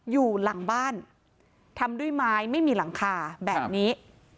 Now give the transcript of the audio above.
อยู่หลังบ้านทำด้วยไม้ไม่มีหลังคาแบบนี้